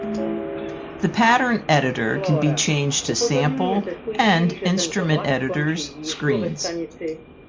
The pattern editor can be changed to sample and instrument editors screens.